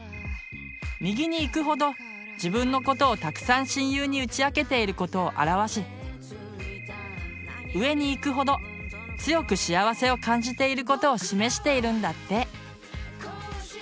右にいくほど自分のことをたくさん親友に打ち明けていることを表し上にいくほど強く幸せを感じていることを示しているんだって。